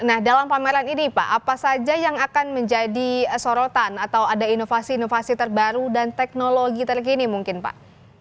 nah dalam pameran ini pak apa saja yang akan menjadi sorotan atau ada inovasi inovasi terbaru dan teknologi terkini mungkin pak